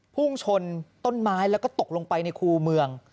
พุ่งชนต้นไม้แล้วก็ตกลงไปในคู่เมือง